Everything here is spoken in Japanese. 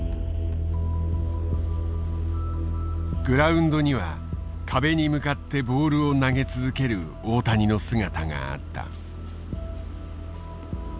グラウンドには壁に向かってボールを投げ続ける大谷の姿があった。